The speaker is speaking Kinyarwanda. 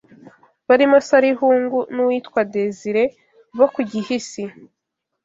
Barimo Sarihungu n’uwitwa Desiré bo ku Gihisi